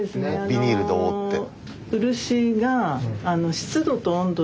ビニールで覆って。